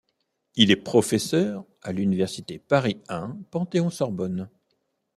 Il est professeur à l'université Paris I Panthéon-Sorbonne.